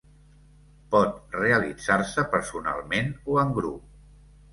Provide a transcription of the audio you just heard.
Pot realitzar-se personalment o en grup.